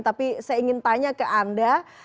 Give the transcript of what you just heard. tapi saya ingin tanya ke anda